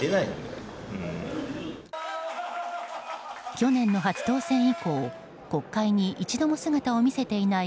去年の初当選以降国会に一度も姿を見せていない